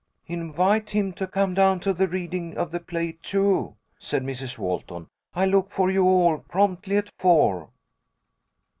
"Invite him to come down to the reading of the play, too," said Mrs. Walton. "I'll look for you all promptly at four."